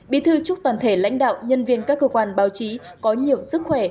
bí thư chúc toàn thể lãnh đạo nhân viên các cơ quan báo chí có nhiều sức khỏe